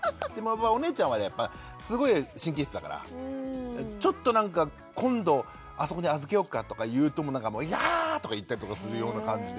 お姉ちゃんはやっぱりすごい神経質だからちょっとなんか今度あそこに預けようかとか言うといや！とか言ったりとかするような感じで。